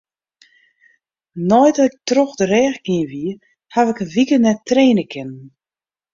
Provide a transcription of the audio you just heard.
Nei't ik troch de rêch gien wie, haw ik in wike net traine kinnen.